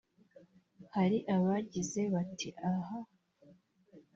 hari abagize bati “aha